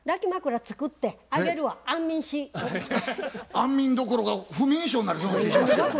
安眠どころか不眠症になりそうな気ぃしますけど。